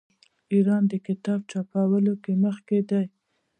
ایران د کتاب چاپولو کې مخکې دی.